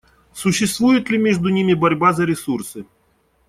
Существует ли между ними борьба за ресурсы?